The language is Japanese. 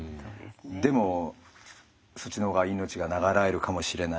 でもそっちのほうが命が長らえるかもしれない。